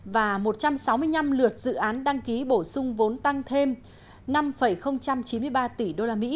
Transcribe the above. và một trăm sáu mươi năm lượt dự án đăng ký bổ sung vốn tăng thêm năm chín mươi ba tỷ usd